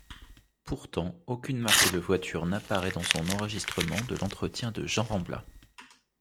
Pourtant, aucune marque de voiture n'apparaît dans son enregistrement de l'entretien de Jean Rambla.